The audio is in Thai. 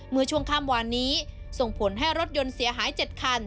เมื่อช่วงข้ามวานนี้ส่งผลให้รถยนต์เสียหาย๗คัน